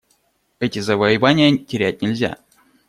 Эти завоевания терять нельзя.